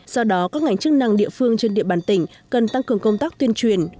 do đó các ngành chức năng địa phương trên địa bàn tỉnh cần tăng cường công tác tuyên truyền